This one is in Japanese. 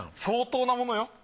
相当なものよ。